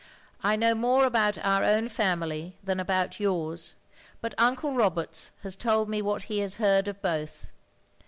" I know more about our own family than about yours; but Uncle Roberts has told us what he had heard of both.